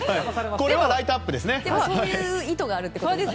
これはライトアップですね。